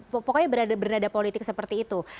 pokoknya bernada politik seperti itu